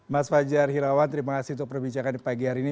mas fajar hirawan terima kasih untuk perbincangan pagi hari ini